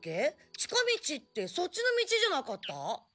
近道ってそっちの道じゃなかった？